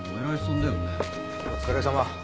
お疲れさま。